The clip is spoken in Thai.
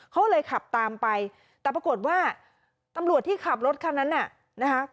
เขาเลยขับตามไปแต่ปรากฏว่าตำรวจที่ขับรถคันนั้นน่ะนะคะ